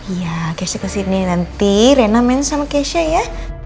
iya keysnya kesini nanti rena main sama keysnya ya